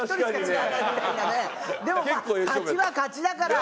でもまあ勝ちは勝ちだから。